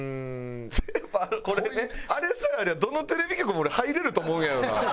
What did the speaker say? テープあれさえあればどのテレビ局も俺入れると思うんやよな。